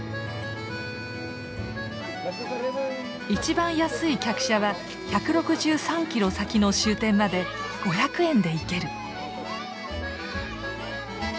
一番安い客車は１６３キロ先の終点まで５００円で行ける。